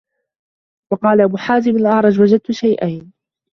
وَقَالَ أَبُو حَازِمٍ الْأَعْرَجُ وَجَدْتُ شَيْئَيْنِ